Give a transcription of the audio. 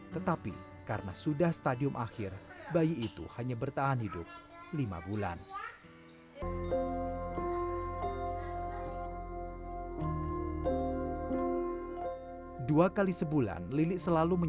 tetapi karena sudah stadium akhir bayi itu hanya bertahan hidup lima bulan